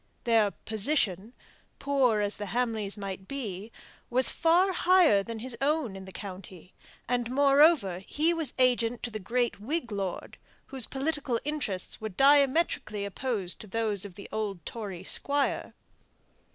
Their "position" poor as the Hamleys might be was far higher than his own in the county; and, moreover, he was agent to the great Whig lord, whose political interests were diametrically opposed to those of the old Tory squire.